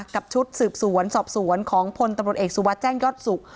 กับชุดสืบสวนสอบสวนของพลตำรวจเอกสุวัสดิแจ้งยอดสุข